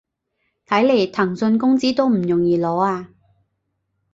睇來騰訊工資都唔容易攞啊